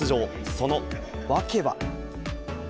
その訳は。